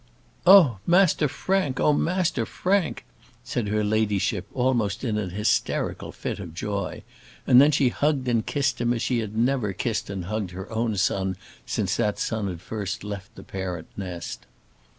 "Oh! Master Frank! oh, Master Frank!" said her ladyship, almost in an hysterical fit of joy; and then she hugged and kissed him as she had never kissed and hugged her own son since that son had first left the parent nest.